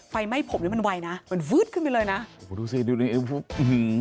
ไฟไหมผมนี่มันไวน่ะมันวื้ดขึ้นไปเลยน่ะโอ้โหดูสิดูนี่อื้อหือ